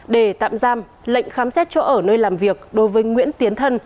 để tạm giam lệnh khám xét chỗ ở nơi làm việc đối với nguyễn tiến thân